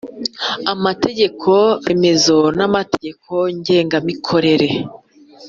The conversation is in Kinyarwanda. mategeko remezo n amategeko ngengamikorere